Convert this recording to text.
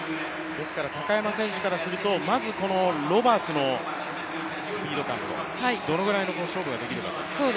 ですから高山選手からするとまずこのロバーツのスピード感とどのぐらいの勝負ができるかと。